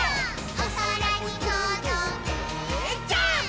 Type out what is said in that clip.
「おそらにとどけジャンプ！！」